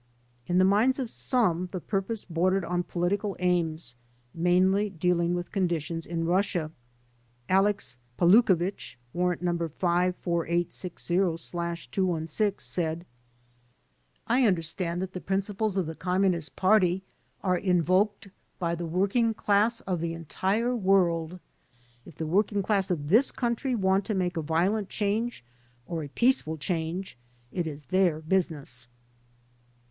In the minds of some the purpose bordered on political aims, mainly dealing with conditions in Russia. Alex. Pawlukovich (Warrant No. 54860/216) said: "I understand that th^ principles of the G}mmunist Party are invoked by the Working class of the entire wodd. If the working class of this cotmtry want to make a vioknt change or a peaceful change it is their business."